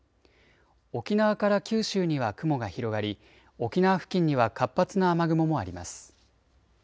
沖縄から九州には雲が広がり沖縄付近には活発な雨雲もあります。